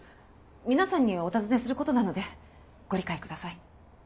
皆さんにお尋ねする事なのでご理解ください。